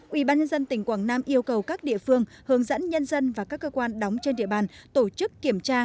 ubnd tỉnh quảng nam yêu cầu các địa phương hướng dẫn nhân dân và các cơ quan đóng trên địa bàn tổ chức kiểm tra